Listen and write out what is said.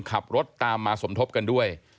ขับรถตามมาสมทบกันด้วย